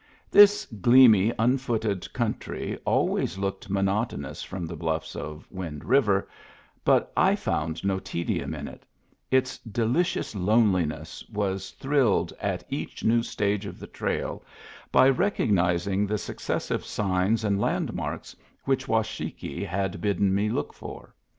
This gleamy, unfooted country always looked monotonous from the bluflfs of Wind River, but I found no tedium in it; its delicious loneliness was thrilled at each new stage of the trail by recognizing the successive signs and landmarks which Washakie had bidden me look for.